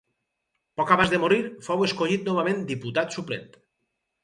Poc abans de morir fou escollit novament diputat suplent.